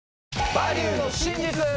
「バリューの真実」！